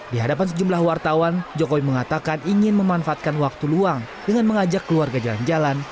di hadapan sejumlah wartawan jokowi mengatakan ingin memanfaatkan waktu luang dengan mengajak keluarga jalan jalan